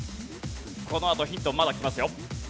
このあとヒントまだ来ますよ。